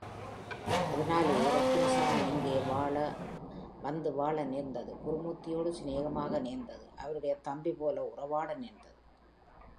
அதனாலேயே ரத்தினசாமி இங்கே வந்து வாழ நேர்ந்தது குருமூர்த்தியோடு சிநேகமாக நேர்ந்தது அவருடைய தம்பிபோல உறவாட நேர்ந்தது.